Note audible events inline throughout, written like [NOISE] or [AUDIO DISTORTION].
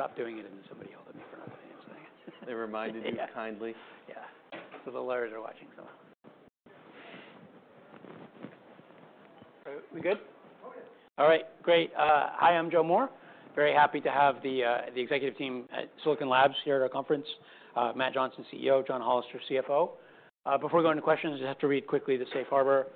I stopped doing it and then somebody yelled at me for not doing it, so I. They reminded you kindly. Yeah. The lawyers are watching, so. We good? Okay. All right, great. Hi, I'm Joe Moore. Very happy to have the executive team at Silicon Labs here at our conference, Matt Johnson, CEO, John Hollister, CFO. Before we go into questions, I just have to read quickly the Safe Harbor.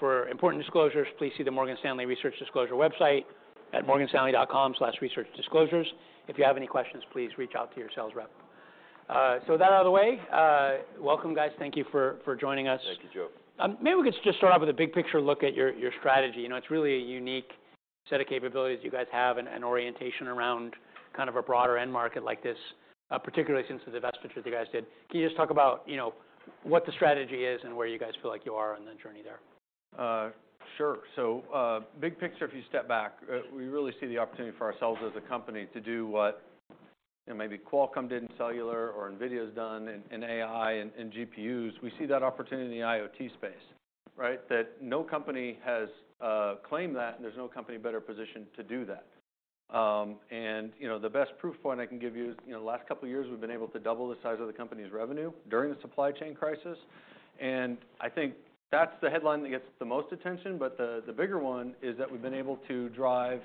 For important disclosures, please see the Morgan Stanley Research Disclosure website at morganstanley.com/researchdisclosures. If you have any questions, please reach out to your sales rep. With that out of the way, welcome guys. Thank you for joining us. Thank you, Joe. Maybe we could just start off with a big picture look at your strategy. You know, it's really a unique set of capabilities you guys have and orientation around kind of a broader end market like this, particularly since the divestitures that you guys did. Can you just talk about, you know, what the strategy is and where you guys feel like you are on the journey there? Sure. Big picture, if you step back, we really see the opportunity for ourselves as a company to do what, you know, maybe Qualcomm did in cellular or NVIDIA's done in AI and GPUs. We see that opportunity in the IoT space, right? That no company has claimed that, and there's no company better positioned to do that. And, you know, the best proof point I can give you is, you know, the last couple of years we've been able to double the size of the company's revenue during the supply chain crisis. I think that's the headline that gets the most attention, but the bigger one is that we've been able to drive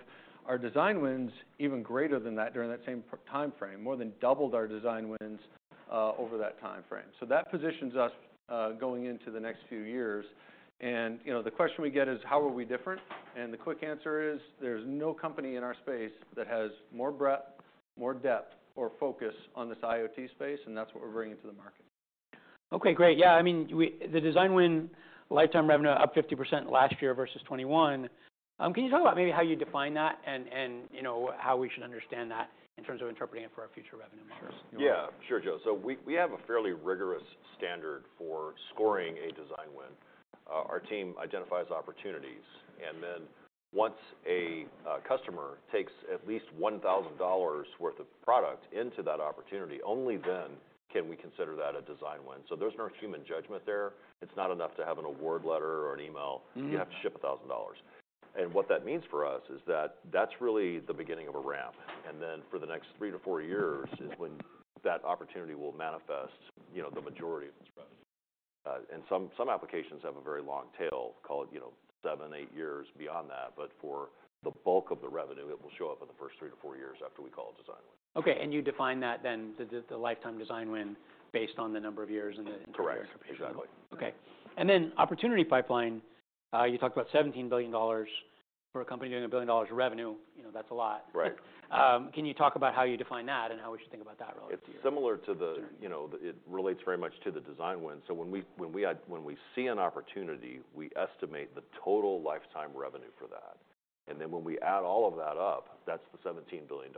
our design wins even greater than that during that same timeframe. More than doubled our design wins over that timeframe. That positions us, going into the next few years. You know, the question we get is, how are we different? The quick answer is, there's no company in our space that has more breadth, more depth or focus on this IoT space, and that's what we're bringing to the market. Okay, great. Yeah, I mean, the design win lifetime revenue up 50% last year versus 2021. Can you talk about maybe how you define that and, you know, how we should understand that in terms of interpreting it for our future revenue models? Yeah, sure, Joe. We have a fairly rigorous standard for scoring a design win. Our team identifies opportunities, and then once a customer takes at least $1,000 worth of product into that opportunity, only then can we consider that a design win. There's no human judgment there. It's not enough to have an award letter or an email. Mm-hmm. You have to ship $1,000. What that means for us is that that's really the beginning of a ramp, and then for the next three to four years is when that opportunity will manifest, you know, the majority of its revenue. Some applications have a very long tail, call it, you know, seven to eight years beyond that. For the bulk of the revenue, it will show up in the first three to four years after we call a design win. Okay. You define that then, the lifetime design win based on the number of years. Correct. Exactly. Okay. Then opportunity pipeline, you talked about $17 billion for a company doing $1 billion of revenue. You know, that's a lot. Right. Can you talk about how you define that and how we should think about that relative to your. [CROSSTALK] It's similar to the, you know, it relates very much to the design win. When we, when we had, when we see an opportunity, we estimate the total lifetime revenue for that. When we add all of that up, that's the $17 billion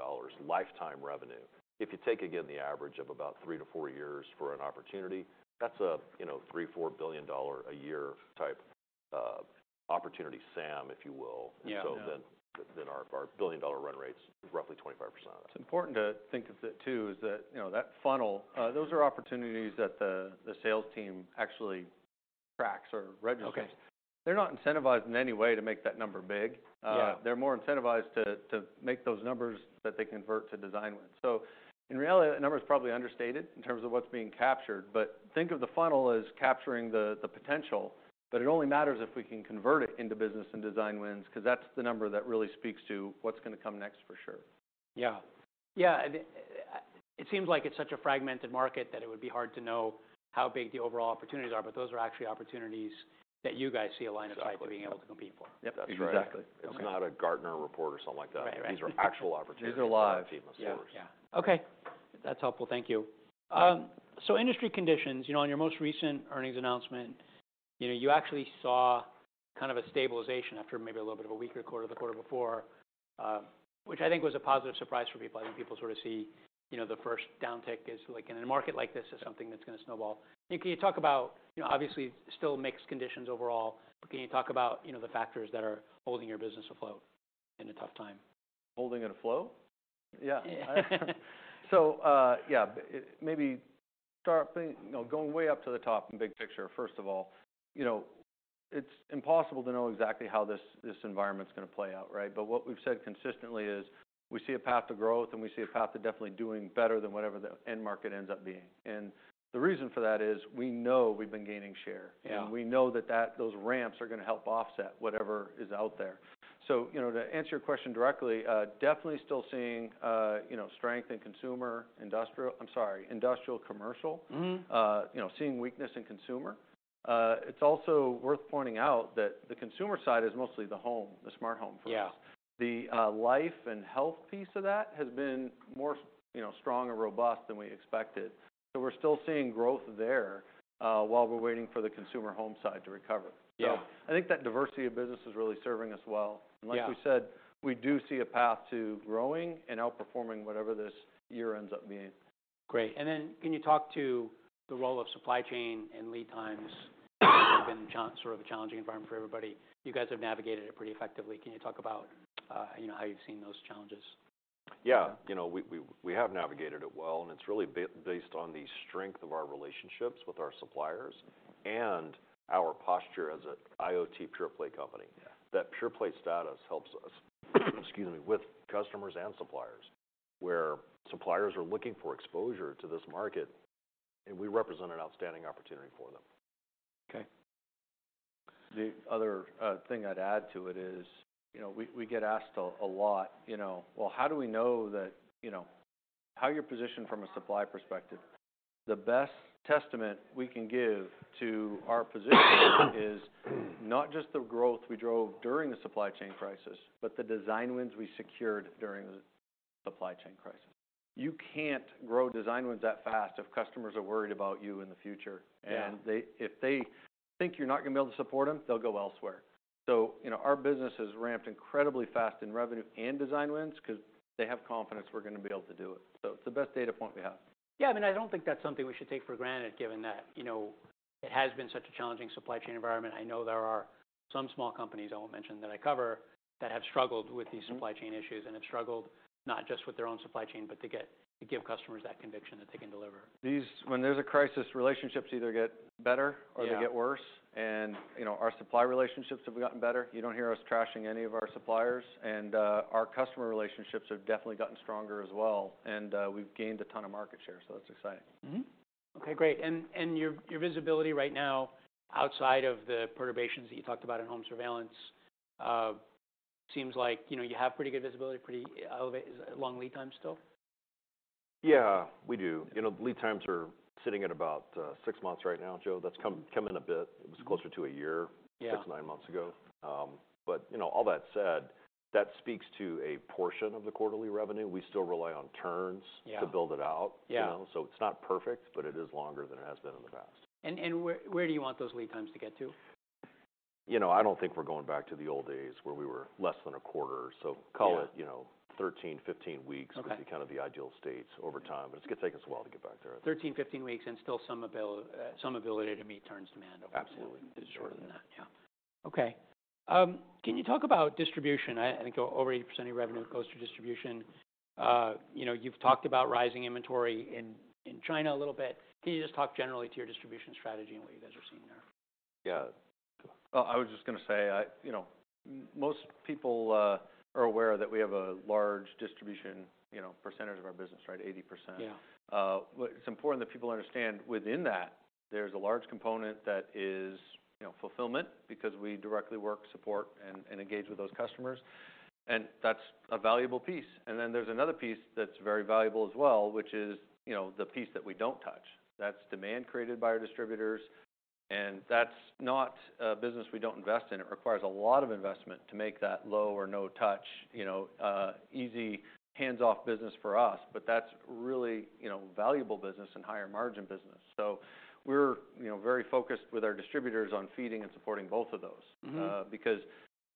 lifetime revenue. If you take, again, the average of about three to four years for an opportunity, that's a, you know, $3 billion-$4 billion a year type of opportunity SAM, if you will. Yeah. Then our billion-dollar run rate's roughly 25% of that. It's important to think of it too, is that, you know, that funnel, those are opportunities that the sales team actually tracks or registers. Okay. They're not incentivized in any way to make that number big. Yeah. They're more incentivized to make those numbers that they convert to design wins. In reality, that number is probably understated in terms of what's being captured. Think of the funnel as capturing the potential, but it only matters if we can convert it into business and design wins, 'cause that's the number that really speaks to what's gonna come next for sure. Yeah. Yeah. It seems like it's such a fragmented market that it would be hard to know how big the overall opportunities are, but those are actually opportunities that you guys see a line. Exactly. Of sight to being able to compete for. Yep. That's right. Exactly. Okay. It's not a Gartner report or something like that. Right. These are live that our team has sourced. Yeah. Okay. That's helpful. Thank you. So, industry conditions. You know, on your most recent earnings announcement, you know, you actually saw kind of a stabilization after maybe a little bit of a weaker quarter, the quarter before, which I think was a positive surprise for people. I think people sort of see, you know, the first downtick as like in a market like this as something that's gonna snowball. Can you talk about, you know, obviously still mixed conditions overall, but can you talk about, you know, the factors that are holding your business afloat in a tough time? Holding it afloat? Yeah. Yeah, maybe you know, going way up to the top and big picture, first of all, you know, it's impossible to know exactly how this environment's gonna play out, right? What we've said consistently is we see a path to growth, and we see a path to definitely doing better than whatever the end market ends up being. The reason for that is we know we've been gaining share. Yeah. We know those ramps are gonna help offset whatever is out there. You know, to answer your question directly, definitely still seeing, you know, strength in consumer, industrial, I'm sorry, industrial commercial. Mm-hmm. You know, seeing weakness in consumer. It's also worth pointing out that the consumer side is mostly the home, the smart home for us. Yeah. The life and health piece of that has been more you know, strong and robust than we expected. We're still seeing growth there, while we're waiting for the consumer home side to recover. Yeah. I think that diversity of business is really serving us well. Yeah. Like we said, we do see a path to growing and outperforming whatever this year ends up being. Great. Can you talk to the role of supply chain and lead times have been sort of a challenging environment for everybody? You guys have navigated it pretty effectively. Can you talk about, you know, how you've seen those challenges? Yeah. You know, we have navigated it well, and it's really based on the strength of our relationships with our suppliers and our posture as an IoT pure-play company. Yeah. That pure-play status helps us, excuse me, with customers and suppliers, where suppliers are looking for exposure to this market. We represent an outstanding opportunity for them. Okay. The other thing I'd add to it is, you know, we get asked a lot, you know, "Well, how do we know that, you know, how you're positioned from a supply perspective?" The best testament we can give to our position is not just the growth we drove during the supply chain crisis, but the design wins we secured during the supply chain crisis. You can't grow design wins that fast if customers are worried about you in the future. Yeah. If they think you're not gonna be able to support them, they'll go elsewhere. You know, our business has ramped incredibly fast in revenue and design wins 'cause they have confidence we're gonna be able to do it. It's the best data point we have. Yeah, I mean, I don't think that's something we should take for granted given that, you know, it has been such a challenging supply chain environment. I know there are some small companies, I won't mention, that I cover that have struggled with these. Mm-hmm. Supply chain issues and have struggled not just with their own supply chain, but to give customers that conviction that they can deliver. When there's a crisis, relationships either get better. Yeah. Or they get worse. You know, our supply relationships have gotten better. You don't hear us trashing any of our suppliers. Our customer relationships have definitely gotten stronger as well, and, we've gained a ton of market share, so that's exciting. Mm-hmm. Okay, great. Your visibility right now, outside of the perturbations that you talked about in home surveillance, seems like, you know, you have pretty good visibility, pretty elevated, is it long lead time still? Yeah, we do. You know, lead times are sitting at about six months right now, Joe. That's come in a bit. Mm-hmm. It was closer to a year. Yeah Six, nine months ago. You know, all that said, that speaks to a portion of the quarterly revenue. We still rely on turns. Yeah. To build it out. Yeah. You know? It's not perfect, but it is longer than it has been in the past. Where do you want those lead times to get to? You know, I don't think we're going back to the old days where we were less than a quarter. Yeah. So, call it, you know, 13, 15 weeks. Okay. Would be kind of the ideal state over time, but it's gonna take us a while to get back there. 13, 15 weeks and still some ability to meet turns demand. Absolutely. Over to shorter than that. Yeah. Okay. Can you talk about distribution? I think over 80% of your revenue goes to distribution. You know, you've talked about rising inventory in China a little bit. Can you just talk generally to your distribution strategy and what you guys are seeing there? Yeah. Well, I was just gonna say, you know, most people are aware that we have a large distribution, you know, percentage of our business, right? 80%. Yeah. What is important that people understand within that, there's a large component that is, you know, fulfillment because we directly work, support, and engage with those customers, and that's a valuable piece. There's another piece that's very valuable as well, which is, you know, the piece that we don't touch. That's demand created by our distributors, and that's not a business we don't invest in. It requires a lot of investment to make that low or no touch, you know, easy hands-off business for us. That's really, you know, valuable business and higher margin business. We're, you know, very focused with our distributors on feeding and supporting both of those. Mm-hmm. Because,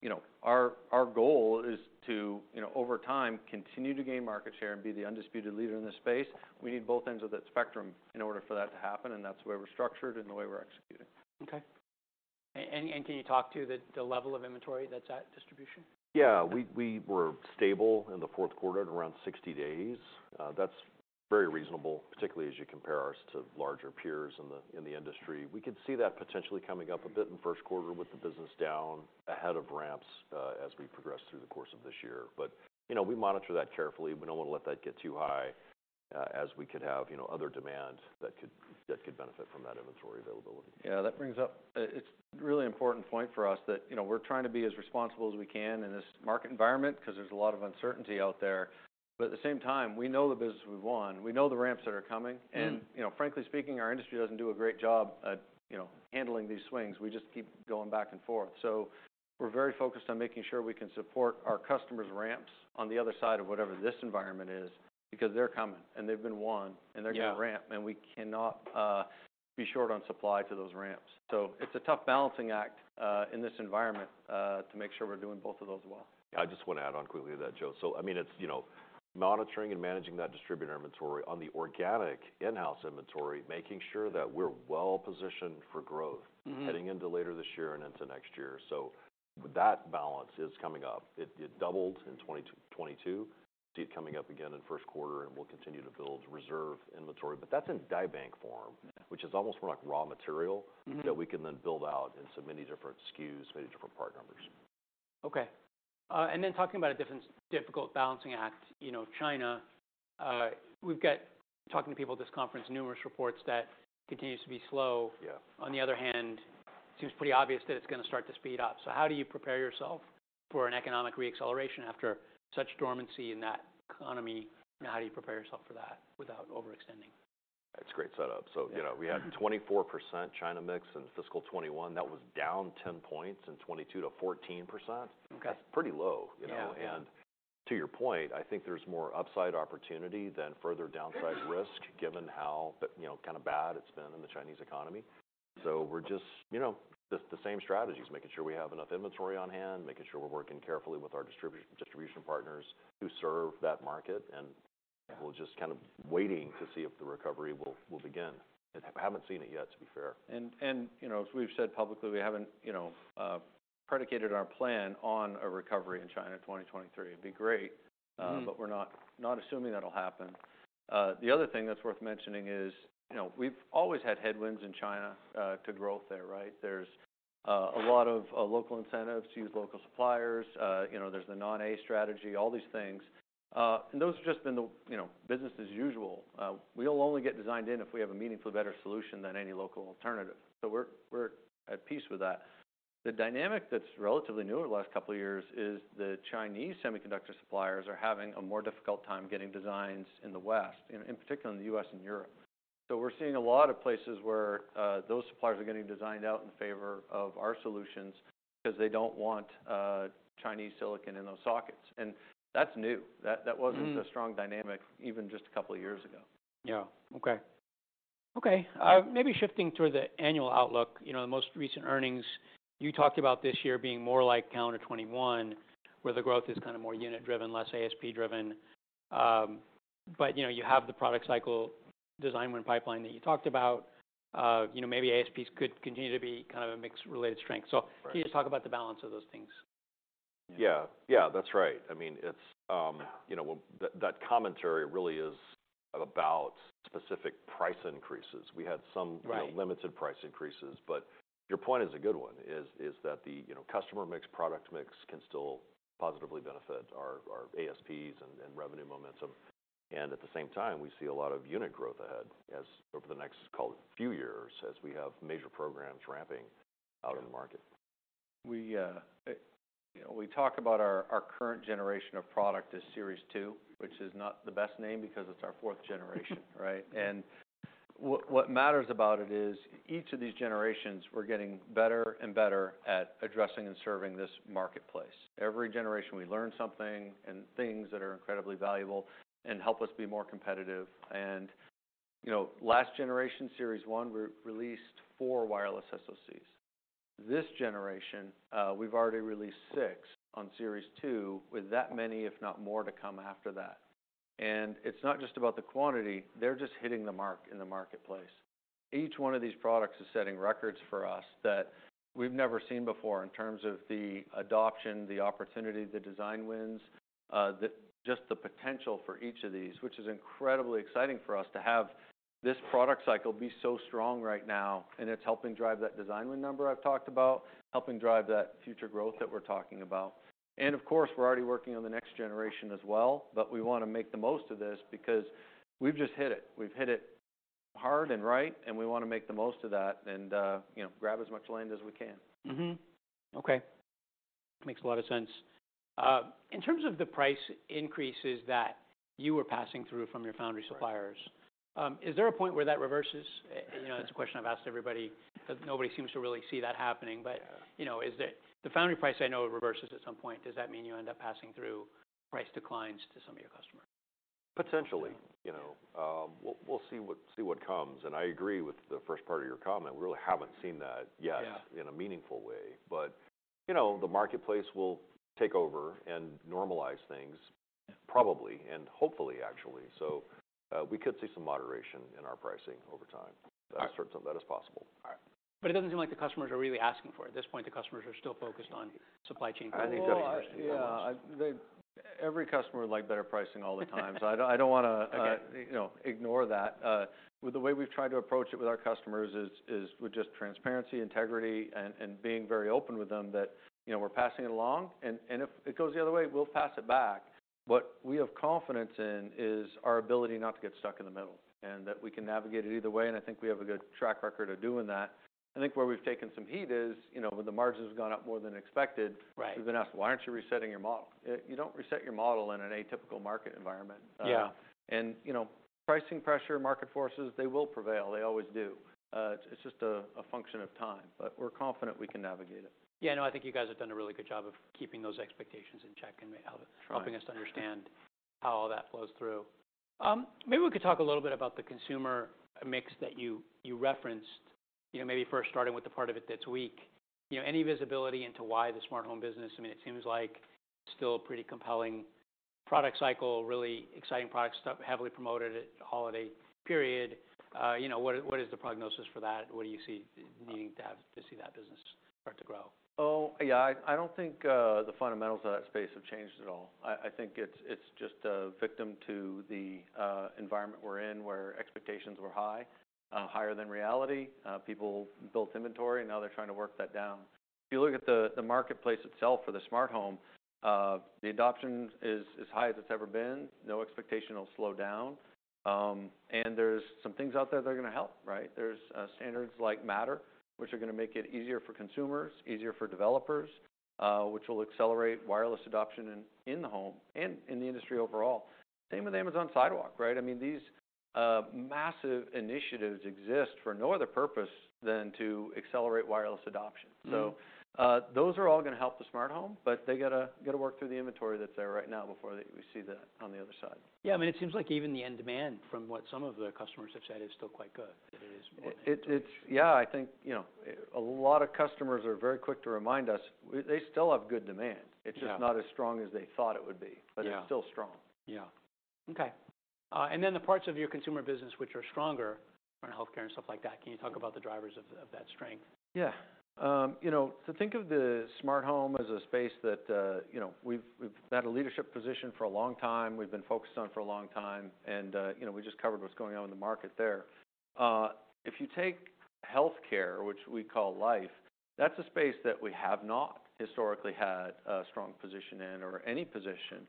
you know, our goal is to, you know, over time, continue to gain market share and be the undisputed leader in this space. We need both ends of that spectrum in order for that to happen, and that's the way we're structured and the way we're executing. Okay. Can you talk to the level of inventory that's at distribution? Yeah. We were stable in the fourth quarter at around 60 days. That's very reasonable, particularly as you compare us to larger peers in the industry. We could see that potentially coming up a bit in first quarter with the business down ahead of ramps as we progress through the course of this year. You know, we monitor that carefully. We don't wanna let that get too high as we could have, you know, other demand that could benefit from that inventory availability. Yeah, it's really important point for us that, you know, we're trying to be as responsible as we can in this market environment 'cause there's a lot of uncertainty out there. At the same time, we know the business we've won, we know the ramps that are coming. Mm-hmm. You know, frankly speaking, our industry doesn't do a great job at, you know, handling these swings. We just keep going back and forth. We're very focused on making sure we can support our customers' ramps on the other side of whatever this environment is because they're coming, and they've been won, and they're gonna ramp. Yeah. We cannot be short on supply to those ramps. It's a tough balancing act in this environment to make sure we're doing both of those well. I just wanna add on quickly to that, Joe. I mean, it's, you know, monitoring and managing that distributor inventory on the organic in-house inventory, making sure that we're well positioned for growth. Mm-hmm. Heading into later this year and into next year. That balance is coming up. It doubled in 2022. See it coming up again in first quarter, and we'll continue to build reserve inventory. That's in die bank form. Yeah. Which is almost more like raw material. Mm-hmm. That we can then build out into many different SKUs, many different part numbers. Okay. Talking about a different difficult balancing act, you know, China, we've got, talking to people at this conference, numerous reports that continues to be slow. Yeah. On the other hand, seems pretty obvious that it's gonna start to speed up. How do you prepare yourself for an economic re-acceleration after such dormancy in that economy, and how do you prepare yourself for that without overextending? It's a great setup. you know, we had 24% China mix in fiscal 2021. That was down 10 points in 2022 to 14%. Okay. That's pretty low, you know? Yeah. To your point, I think there's more upside opportunity than further downside risk, given how, you know, kind of bad it's been in the Chinese economy. We're just, you know, just the same strategies, making sure we have enough inventory on hand, making sure we're working carefully with our distribution partners who serve that market. We're just kind of waiting to see if the recovery will begin. Haven't seen it yet, to be fair. You know, as we've said publicly, we haven't, you know, predicated our plan on a recovery in China in 2023. It'd be great. Mm-hmm. We're not assuming that'll happen. The other thing that's worth mentioning is, you know, we've always had headwinds in China, to growth there, right? There's a lot of local incentives, use local suppliers, you know, there's the [AUDIO DISTORTION] strategy, all these things. Those have just been the, you know, business as usual. We'll only get designed in if we have a meaningfully better solution than any local alternative. We're, we're at peace with that. The dynamic that's relatively new over the last couple of years is the Chinese semiconductor suppliers are having a more difficult time getting designs in the West, in particular in the U.S. and Europe. We're seeing a lot of places where those suppliers are getting designed out in favor of our solutions because they don't want Chinese silicon in those sockets. That's new. That wasn't. Mm-hmm. A strong dynamic even just a couple of years ago. Yeah. Okay. Okay. Maybe shifting toward the annual outlook, you know, the most recent earnings, you talked about this year being more like calendar 2021, where the growth is kind of more unit driven, less ASP driven. You know, you have the product cycle design win pipeline that you talked about. You know, maybe ASPs could continue to be kind of a mix-related strength. Right. Can you just talk about the balance of those things? Yeah. Yeah. That's right. I mean, it's, you know, that commentary really is about specific price increases. We had some. Right. You know, limited price increases, but your point is a good one, is that the, you know, customer mix, product mix can still positively benefit our ASPs and revenue momentum. At the same time, we see a lot of unit growth ahead as over the next, call it, few years, as we have major programs ramping out in the market. We, you know, we talk about our current generation of product as Series 2, which is not the best name because it's our fourth generation. Right? What matters about it is each of these generations, we're getting better and better at addressing and serving this marketplace. Every generation, we learn something and things that are incredibly valuable and help us be more competitive. You know, last generation, Series 1, we released four wireless SoCs. This generation, we've already released six on Series 2, with that many, if not more, to come after that. It's not just about the quantity. They're just hitting the mark in the marketplace. Each one of these products is setting records for us that we've never seen before in terms of the adoption, the opportunity, the design wins, just the potential for each of these, which is incredibly exciting for us to have this product cycle be so strong right now, and it's helping drive that design win number I've talked about, helping drive that future growth that we're talking about. Of course, we're already working on the next generation as well, but we wanna make the most of this because we've just hit it. We've hit it hard and right, and we wanna make the most of that and, you know, grab as much land as we can. Mm-hmm. Okay. Makes a lot of sense. In terms of the price increases that you were passing through from your foundry suppliers. Right. Is there a point where that reverses? You know, that's a question I've asked everybody, but nobody seems to really see that happening. Yeah. You know, the foundry price I know reverses at some point. Does that mean you end up passing through price declines to some of your customers? Potentially. You know, we'll see what comes. I agree with the first part of your comment. We really haven't seen that yet. Yeah. In a meaningful way. You know, the marketplace will take over and normalize things probably, and hopefully actually. We could see some moderation in our pricing over time. All right. That is possible. All right. It doesn't seem like the customers are really asking for it. At this point, the customers are still focused on supply chain price increases very much. Yeah. Every customer would like better pricing all the time. I don't wanna. Okay. You know, ignore that. The way we've tried to approach it with our customers is with just transparency, integrity, and being very open with them that, you know, we're passing it along, and if it goes the other way, we'll pass it back. What we have confidence in is our ability not to get stuck in the middle, and that we can navigate it either way, and I think we have a good track record of doing that. I think where we've taken some heat is, you know, when the margins have gone up more than expected. Right. We've been asked, "Why aren't you resetting your model?" You don't reset your model in an atypical market environment. Yeah. And, you know, pricing pressure, market forces, they will prevail. They always do. It's just a function of time. But we're confident we can navigate it. Yeah, no, I think you guys have done a really good job of keeping those expectations in check and making. Sure. Helping us to understand how all that flows through. Maybe we could talk a little bit about the consumer mix that you referenced, you know, maybe first starting with the part of it that's weak. You know, any visibility into why the smart home business, I mean, it seems like still a pretty compelling product cycle, really exciting product stuff, heavily promoted at holiday period. You know, what is, what is the prognosis for that? What do you see needing to have to see that business start to grow? Oh, yeah. I don't think the fundamentals of that space have changed at all. I think it's just a victim to the environment we're in, where expectations were high, higher than reality. People built inventory, now they're trying to work that down. If you look at the marketplace itself for the smart home, the adoption is high as it's ever been. No expectation it'll slow down. There's some things out there that are gonna help, right? There's standards like Matter, which are gonna make it easier for consumers, easier for developers, which will accelerate wireless adoption in the home and in the industry overall. Same with Amazon Sidewalk, right? I mean, these massive initiatives exist for no other purpose than to accelerate wireless adoption. Mm-hmm. Those are all gonna help the smart home, but they gotta work through the inventory that's there right now before we see that on the other side. Yeah, I mean, it seems like even the end demand from what some of the customers have said is still quite good, that it is more than expected. It's yeah, I think, you know, a lot of customers are very quick to remind us, they still have good demand. Yeah. It's just not as strong as they thought it would be. Yeah. It's still strong. Yeah. Okay. The parts of your consumer business which are stronger, in healthcare and stuff like that, can you talk about the drivers of that strength? Yeah. You know, think of the smart home as a space that, you know, we've had a leadership position for a long time, we've been focused on for a long time, you know, we just covered what's going on in the market there. If you take healthcare, which we call life, that's a space that we have not historically had a strong position in or any position.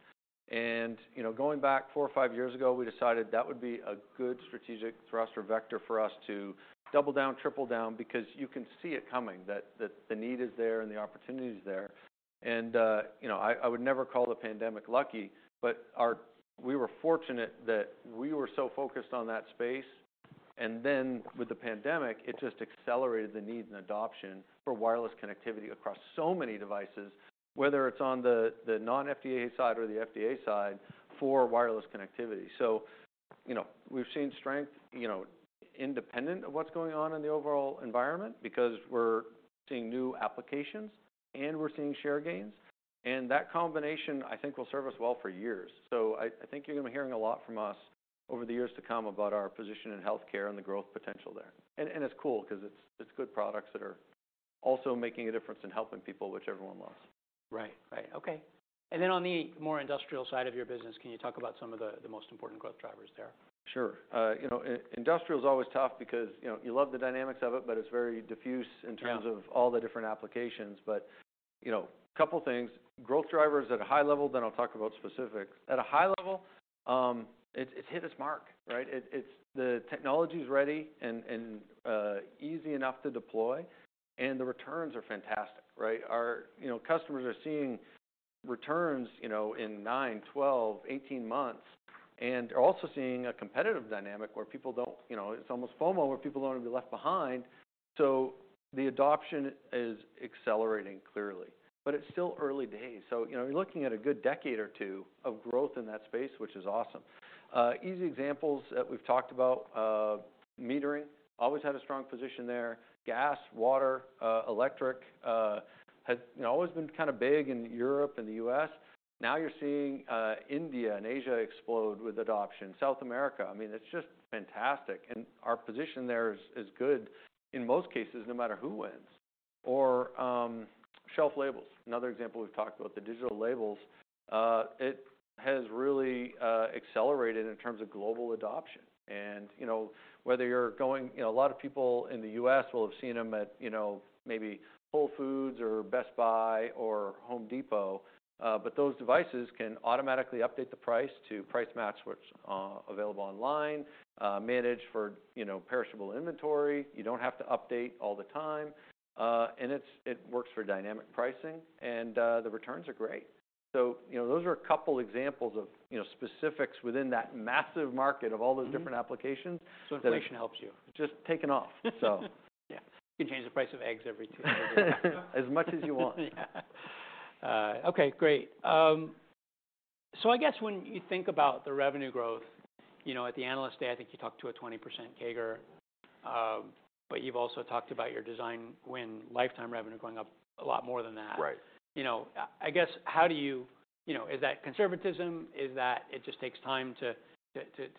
You know, going back four or five years ago, we decided that would be a good strategic thrust or vector for us to double down, triple down, because you can see it coming. That the need is there and the opportunity is there. You know, I would never call the pandemic lucky, but we were fortunate that we were so focused on that space. And then, with the pandemic, it just accelerated the need and adoption for wireless connectivity across so many devices, whether it's on the non-FDA side or the FDA side for wireless connectivity. You know, we've seen strength, you know, independent of what's going on in the overall environment because we're seeing new applications and we're seeing share gains. That combination, I think, will serve us well for years. I think you're gonna be hearing a lot from us over the years to come about our position in healthcare and the growth potential there. It's cool 'cause it's good products that are also making a difference in helping people, which everyone loves. Right. Right. Okay. Then on the more industrial side of your business, can you talk about some of the most important growth drivers there? Sure. you know, industrial is always tough because, you know, you love the dynamics of it, but it's very diffuse. Yeah. In terms of all the different applications. You know, couple things, growth drivers at a high level, then I'll talk about specifics. At a high level, it hit its mark, right? The technology's ready and easy enough to deploy, and the returns are fantastic, right? Our, you know, customers are seeing returns, you know, in nine, 12, 18 months, and also seeing a competitive dynamic where people don't. You know, it's almost FOMO, where people don't wanna be left behind. The adoption is accelerating clearly. It's still early days, so, you know, you're looking at a good decade or two of growth in that space, which is awesome. Easy examples, we've talked about metering. Always had a strong position there. Gas, water, electric, has, you know, always been kind of big in Europe and the U.S. Now you're seeing India and Asia explode with adoption. South America. I mean, it's just fantastic. Our position there is good in most cases, no matter who wins. Or shelf labels. Another example we've talked about, the digital labels. It has really accelerated in terms of global adoption. You know, whether you're going, you know, a lot of people in the U.S. will have seen them at, you know, maybe Whole Foods or Best Buy or Home Depot, but those devices can automatically update the price to price match what's available online, manage for, you know, perishable inventory. You don't have to update all the time. It works for dynamic pricing, and the returns are great. You know, those are a couple examples of, you know, specifics within that massive market of all those. Mm-hmm. Different applications that. Inflation helps you. Just taking off, so. Yeah. You can change the price of eggs every two. [CROSSTALK] As much as you want. Yeah. Okay, great. I guess when you think about the revenue growth, you know, at the Analyst Day, I think you talked to a 20% CAGR. You've also talked about your design win lifetime revenue going up a lot more than that. Right. You know, I guess how do you, you know, is that conservatism? Is that it just takes time to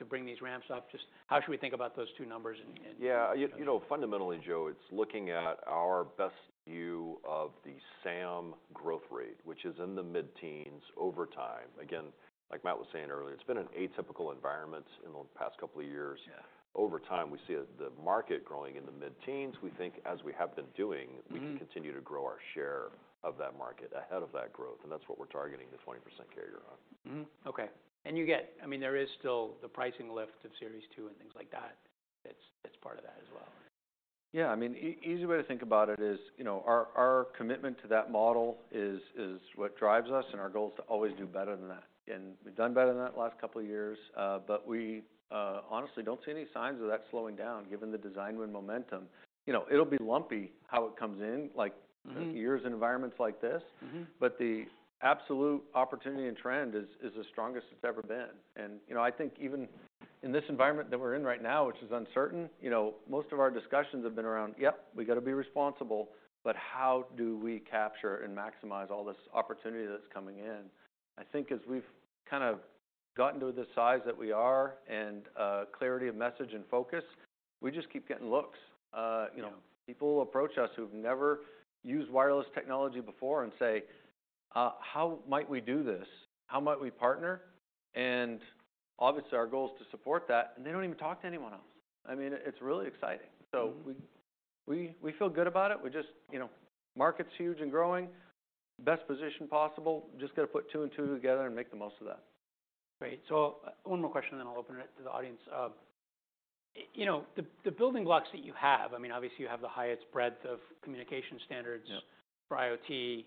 bring these ramps up? Just how should we think about those two numbers and? Yeah. You know, fundamentally, Joe, it's looking at our best view of the SAM growth rate, which is in the mid-teens over time. Again, like Matt was saying earlier, it's been an atypical environment in the past couple of years. Yeah. Over time, we see the market growing in the mid-teens. We think, as we have been doing. Mm-hmm. We can continue to grow our share of that market ahead of that growth, and that's what we're targeting, the 20% CAGR on. Mm-hmm. Okay. I mean, there is still the pricing lift of Series 2 and things like that. It's part of that as well. Yeah. I mean, easy way to think about it is, you know, our commitment to that model is what drives us, and our goal is to always do better than that. We've done better than that the last couple of years, but we honestly don't see any signs of that slowing down, given the design win momentum. You know, it'll be lumpy how it comes in, like. Mm-hmm. Years in environments like this. Mm-hmm. The absolute opportunity and trend is the strongest it's ever been. You know, I think even in this environment that we're in right now, which is uncertain, you know, most of our discussions have been around, "Yep, we gotta be responsible," but how do we capture and maximize all this opportunity that's coming in? I think as we've kind of gotten to the size that we are and clarity of message and focus, we just keep getting looks. You know, people approach us who've never used wireless technology before and say, "How might we do this? How might we partner?" Obviously, our goal is to support that, and they don't even talk to anyone else. I mean, it's really exciting. Mm-hmm. We feel good about it. You know, market's huge and growing. Best position possible. Just gotta put two and two together and make the most of that. Great. One more question, and then I'll open it to the audience. You know, the building blocks that you have, I mean, obviously you have the highest breadth of communication standards. Yeah. For IoT.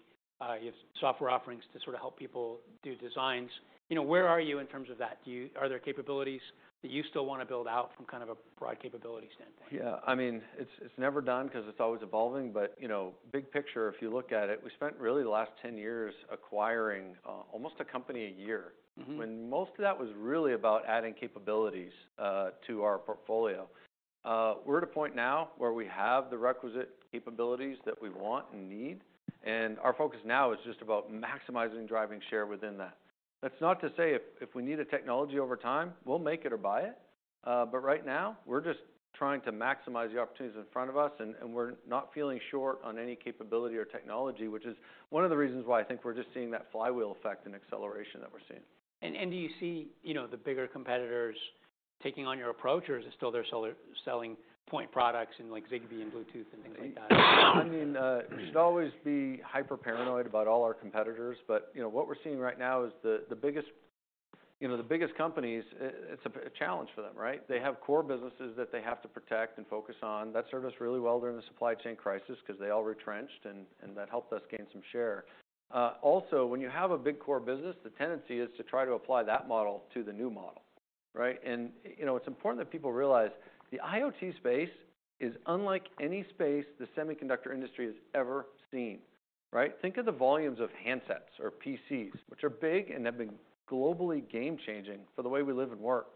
You have software offerings to sort of help people do designs. You know, where are you in terms of that? Are there capabilities that you still wanna build out from kind of a broad capability standpoint? Yeah. I mean, it's never done 'cause it's always evolving but, you know, big picture, if you look at it, we spent really the last 10 years acquiring, almost a company a year. Mm-hmm. When most of that was really about adding capabilities, to our portfolio. We're at a point now where we have the requisite capabilities that we want and need, our focus now is just about maximizing driving share within that. That's not to say if we need a technology over time, we'll make it or buy it. Right now, we're just trying to maximize the opportunities in front of us, and we're not feeling short on any capability or technology, which is one of the reasons why I think we're just seeing that flywheel effect and acceleration that we're seeing. Do you see, you know, the bigger competitors taking on your approach, or is it still they're selling point products in like Zigbee and Bluetooth and things like that? I mean, we should always be hyper paranoid about all our competitors, but you know, what we're seeing right now is the biggest companies, it's a challenge for them, right? They have core businesses that they have to protect and focus on. That served us really well during the supply chain crisis because they all retrenched, and that helped us gain some share. Also, when you have a big core business, the tendency is to try to apply that model to the new model, right? You know, it's important that people realize the IoT space is unlike any space the semiconductor industry has ever seen, right? Think of the volumes of handsets or PCs, which are big and have been globally game-changing for the way we live and work.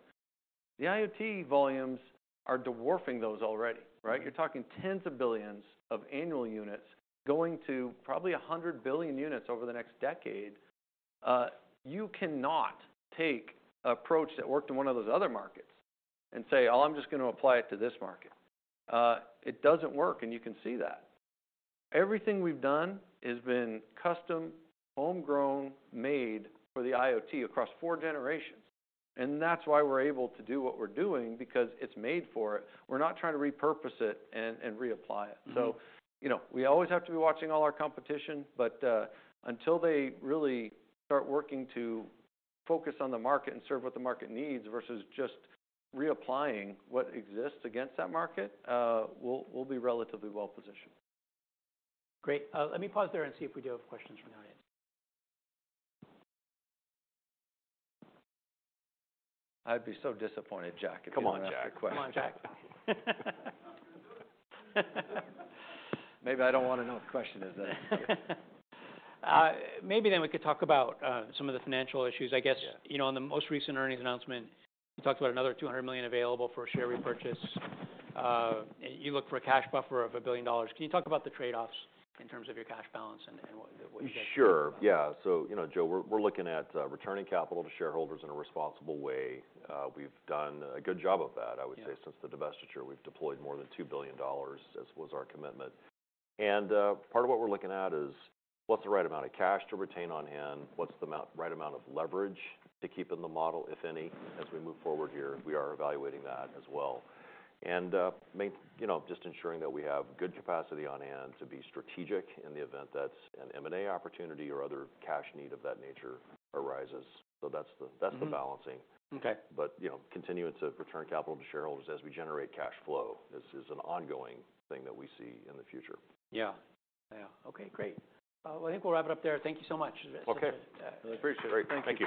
The IoT volumes are dwarfing those already, right? You're talking tens of billions of annual units going to probably 100 billion units over the next decade. You cannot take approach that worked in one of those other markets and say, "Oh, I'm just gonna apply it to this market." It doesn't work, and you can see that. Everything we've done has been custom, homegrown, made for the IoT across four generations. That's why we're able to do what we're doing because it's made for it. We're not trying to repurpose it and reapply it. Mm-hmm. You know, we always have to be watching all our competition, but, until they really start working to focus on the market and serve what the market needs versus just reapplying what exists against that market, we'll be relatively well-positioned. Great. Let me pause there and see if we do have questions from the audience. I'd be so disappointed, Jack, if you don't ask a question. Come on, Jack. Come on, Jack. Maybe I don't wanna know what the question is then. Maybe we could talk about some of the financial issues. Yeah. I guess, you know, on the most recent earnings announcement, you talked about another $200 million available for share repurchase. You look for a cash buffer of $1 billion. Can you talk about the trade-offs in terms of your cash balance and what the. Sure. Yeah. You know, Joe, we're looking at returning capital to shareholders in a responsible way. We've done a good job of that, I would say. Yeah. Since the divestiture, we've deployed more than $2 billion, as was our commitment. Part of what we're looking at is what's the right amount of cash to retain on hand? What's the right amount of leverage to keep in the model, if any, as we move forward here? We are evaluating that as well. You know, just ensuring that we have good capacity on hand to be strategic in the event that an M&A opportunity or other cash need of that nature arises. That's the. Mm-hmm. That's the balancing. Okay. You know, continuing to return capital to shareholders as we generate cash flow is an ongoing thing that we see in the future. Yeah. Yeah. Okay, great. Well, I think we'll wrap it up there. Thank you so much. Okay. Yeah. Appreciate it. Thank you.